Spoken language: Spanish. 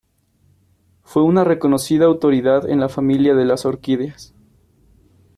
Fue una reconocida autoridad en la familia de las orquídeas.